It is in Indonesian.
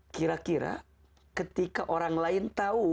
kira kira ketika orang lain tahu